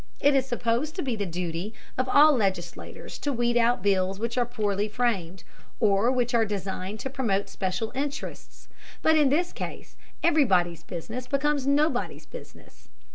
It is supposed to be the duty of all legislators to weed out bills which are poorly framed, or which are designed to promote special interests. But in this case everybody's business becomes nobody's business.